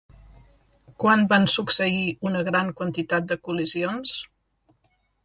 Quan van succeir una gran quantitat de col·lisions?